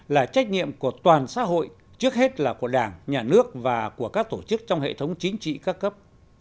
là trách nhiệm của toàn xã hội trước hết là của đảng nhà nước và của các tổ chức trong hệ thống chính trị các cấp